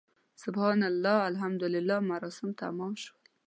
سبحان الله، الحمدلله مراسم تمام شول.